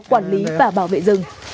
quản lý và bảo vệ rừng